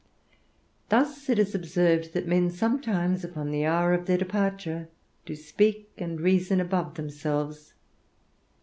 Thus it is observed that men sometimes, upon the hour of their departure, do speak and reason above themselves.